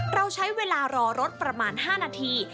เราใช้เวลารอรถประมาณ๕นาที